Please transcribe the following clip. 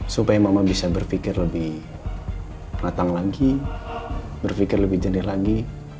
supaya mama bisa berpikir lebih matang lagi berpikir lebih jenih lagi